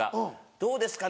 「どうですかね